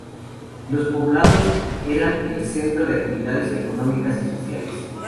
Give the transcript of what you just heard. Los poblados eran el centro de actividades económicas y sociales.